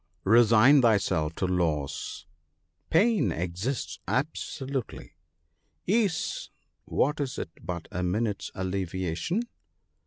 Resign thyself tp loss. Pain exists absolutely. Ease what is it but a minute's alleviation